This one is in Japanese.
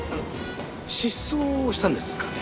失踪したんですかね？